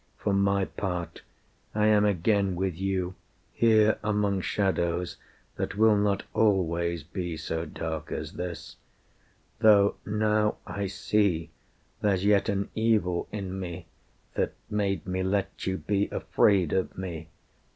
For my part, I am again with you, here among shadows That will not always be so dark as this; Though now I see there's yet an evil in me That made me let you be afraid of me.